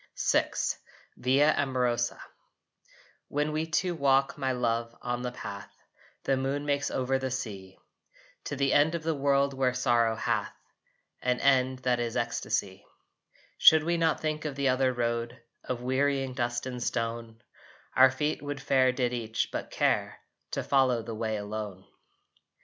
VI VIA AMOROSA When we two walk, my love, on the path The moon makes over the sea, To the end of the world where sorrow hath An end that is ecstasy, Should we not think of the other road Of wearying dust and stone Our feet would fare did each but care To follow the way alone?